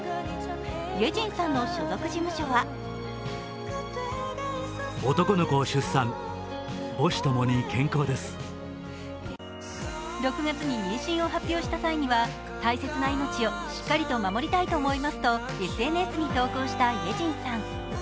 イェジンさんの所属事務所は６月に妊娠を発表した際には大切な命をしっかりと守りたいと思いますとＳＮＳに投稿したイェジンさん。